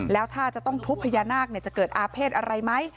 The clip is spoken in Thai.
แล้วถ้าจะต้องทุบพญานาคจะเกิดอาเภษอะไรไหม